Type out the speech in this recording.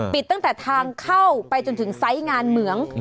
ปิดตั้งแต่ทางเข้าไปจนถึงไซส์งานเหมือง